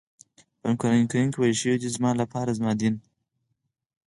په قرآن کریم کې ويل شوي زما لپاره زما دین.